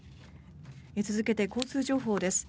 続けて交通情報です。